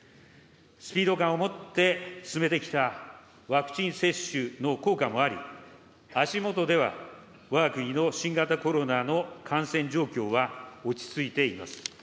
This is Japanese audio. スピード感を持って進めてきたワクチン接種の効果もあり、足下ではわが国の新型コロナの感染状況は落ち着いています。